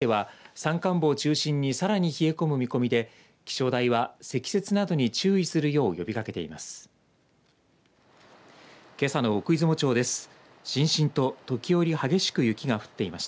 今夜遅くからあす朝にかけては山間部を中心にさらに冷え込む見込みで気象台は積雪などに注意するよう呼びかけています。